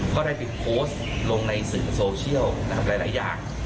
ก็ได้ไปโพสต์ลงในสื่อโซเชียลนะครับหลายอย่าง